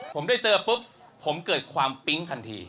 ผมได้เจอปุ๊บผมเกิดความปิ๊งทันที